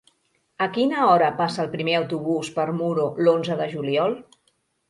A quina hora passa el primer autobús per Muro l'onze de juliol?